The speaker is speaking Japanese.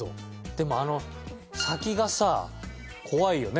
でもあの先がさ怖いよね